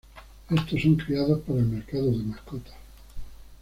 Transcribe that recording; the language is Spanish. Estos son criados para el mercado de mascotas.